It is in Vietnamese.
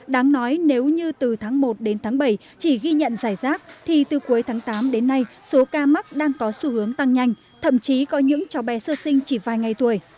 đáng nói nếu như từ tháng một đến tháng bảy chỉ ghi nhận giải rác thì từ cuối tháng tám đến nay số ca mắc đang có xu hướng tăng nhanh thậm chí có những cháu bé sơ sinh chỉ vài ngày tuổi